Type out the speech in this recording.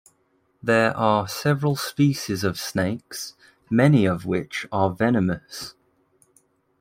There are several species of snakes, many of which are venomous.